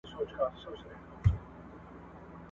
په لومړۍ ونه کي بند یې سول ښکرونه !.